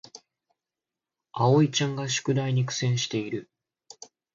あおいちゃんが宿題に苦戦している